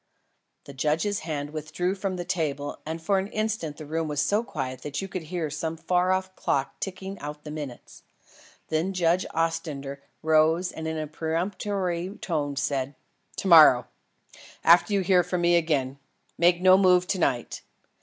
The judge's hand withdrew from the table and for an instant the room was so quiet that you could hear some far off clock ticking out the minutes. Then Judge Ostrander rose and in a peremptory tone said: "To morrow. After you hear from me again. Make no move to night.